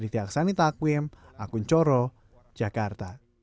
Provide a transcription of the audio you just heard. tiaksani takwim akun coro jakarta